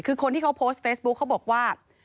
คือคนที่เขาโพสต์เฟซบุ๊คเขาบอกว่า